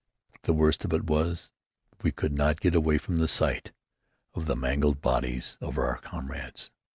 The worst of it was that we could not get away from the sight of the mangled bodies of our comrades.